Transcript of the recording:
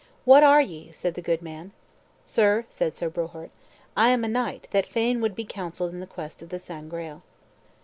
"What are ye?" said the good man. "Sir," said Sir Bohort, "I am a knight that fain would be counselled in the quest of the Sangreal."